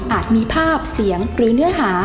มีภาพเสียงหรือเนื้อหา